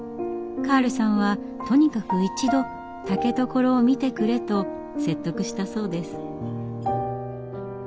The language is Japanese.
カールさんは「とにかく一度竹所を見てくれ」と説得したそうです。